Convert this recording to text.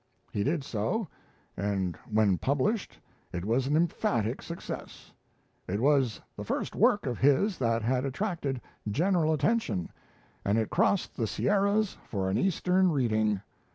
He did so, and when published it was an emphatic success. It was the first work of his that had attracted general attention, and it crossed the Sierras for an Eastern reading.